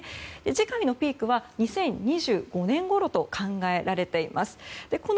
次回のピークは２０２５年ごろと考えられています。